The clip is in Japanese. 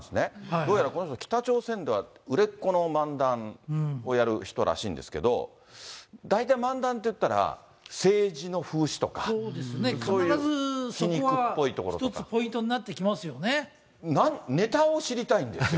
どうやらこの人は北朝鮮では売れっ子の漫談をやる人らしいんですけど、大体、漫談っていったら、そうですね、必ずそこは一つネタを知りたいんですよ。